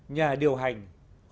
nhà điều hành khung cảnh nhà máy